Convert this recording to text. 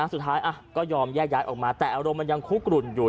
สุดท้ายก็ยอมแยกย้ายออกมาแต่อารมณ์มันยังคุกกลุ่นอยู่